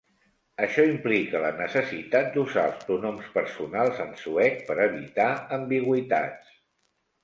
Això implica la necessitat d'usar els pronoms personals en suec per evitar ambigüitats.